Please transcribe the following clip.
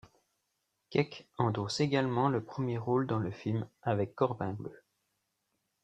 Keke endosse également le premier rôle dans le film ' avec Corbin Bleu.